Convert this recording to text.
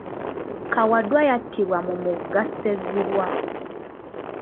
Kawadwa yattibwa mu mugga Ssezibwa.